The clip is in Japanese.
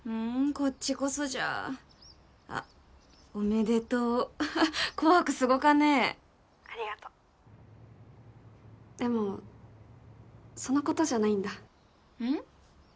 こっちこそじゃあっおめでとう「紅白」すごかね☎ありがとでもそのことじゃないんだうん？